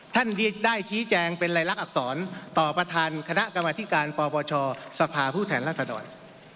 ท่านได้ชี้แจงเป็นลายลักษณ์อักษรต่อประธานคณะกรรมอธิการปปชสภาพผู้แทนลักษณ์ลักษณ์อ่อน